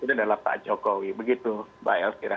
itu sudah dalam tak jokowi begitu mbak el kira